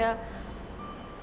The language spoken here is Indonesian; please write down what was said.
kamu masih bisa mencari aku